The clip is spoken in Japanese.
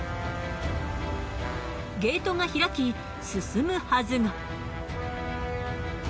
ゲートが開き進むはずが。